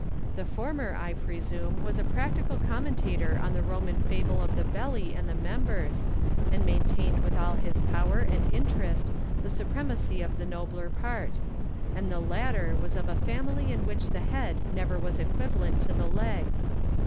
The former, I presume, was a practical commentator on the Roman fable of the belly and the members, and maintained with all his power and interest the supremacy of the nobler part ; and the latter was of a family in which the head never was equivalent to the legs.